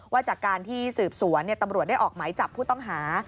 ว่าจากการที่สืบสวนตำรวจได้ออกหมายจับผู้ต้องหา